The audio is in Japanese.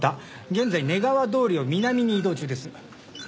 現在根川通りを南に移動中です。